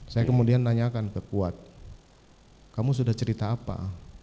saya kemudian nanyakan ke kuat kamu sudah cerita apa